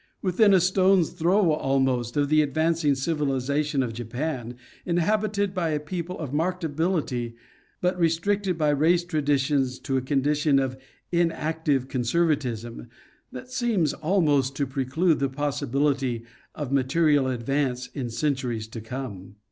Within a stone's throw, almost, of the advancing civilization of Japan, in habited by a people of marked ability but restricted by race tra Geography of the Land. 33 ditions to a condition of inactive conservatism, that seems almost to preclude the possibility of material advance in centuries to come.